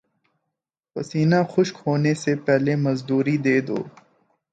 پسینہ خشک ہونے سے پہلے مزدوری دے دو